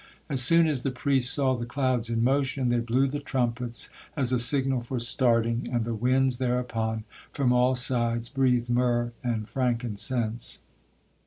As soon as the priests saw the clouds in motion, they blew the trumpets as a signal for starting, and the winds thereupon from all sides breathed myrrh and frankincense.